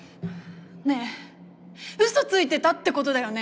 ねえ嘘ついてたってことだよね？